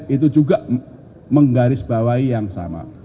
itu juga menggaris bawahi yang sama